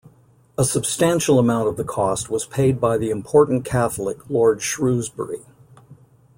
A substantial amount of the cost was paid by the important Catholic Lord Shrewsbury.